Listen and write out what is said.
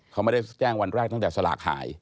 เขาไม่ได้แจ้งวันแรกตั้งแต่สลากหาย